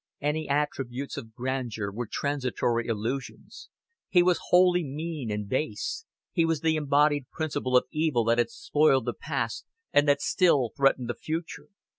Any attributes of grandeur were transitory illusions; he was wholly mean and base: he was the embodied principle of evil that had spoiled the past and that still threatened the future.